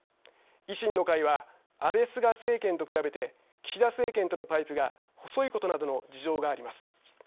維新の会は安倍・菅政権と比べて岸田政権とのパイプが細いことなどの事情があります。